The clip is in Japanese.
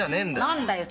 何だよ